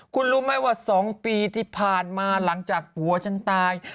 คุณรู้ไหมว่า๒ปีที่ผ่านมาหลังจากผัวฉันตาย